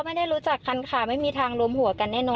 ไม่ชอบมากเลย